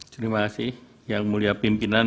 terima kasih yang mulia pimpinan